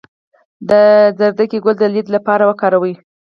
د ګازرې ګل د لید لپاره وکاروئ